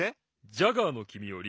ジャガーのきみより。